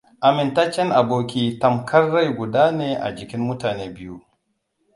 Amintaccen aboki tamkar rai guda ne a jikin mutane biyu.